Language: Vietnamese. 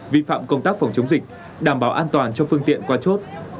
vi phạm công tác phòng chống dịch đảm bảo an toàn cho phương tiện qua chốt